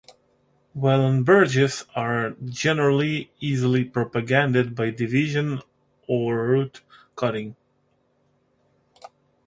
Wahlenbergias are generally easily propagated by division or root cutting.